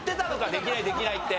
できないできないって。